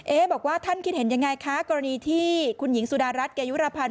บอกว่าท่านคิดเห็นยังไงคะกรณีที่คุณหญิงสุดารัฐเกยุรพันธ์